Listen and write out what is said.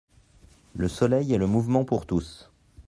Le soleil et le mouvement pour tous.